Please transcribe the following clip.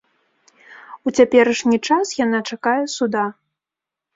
У цяперашні час яна чакае суда.